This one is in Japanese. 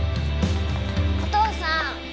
お父さん